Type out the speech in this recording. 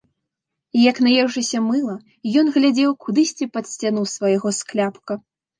Як наеўшыся мыла ён глядзеў кудысьці пад сцяну свайго скляпка.